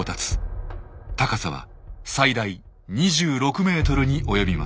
高さは最大２６ｍに及びます。